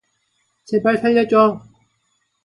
제발 살려줘!